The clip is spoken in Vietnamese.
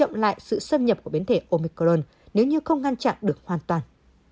và có khả năng làm chậm lại sự xâm nhập của biến thể omicron nếu như không ngăn chặn được hoàn toàn